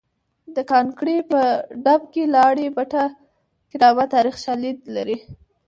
د ګانګړې په ډب کې لاړې بټه ګرامه تاریخي شالید لري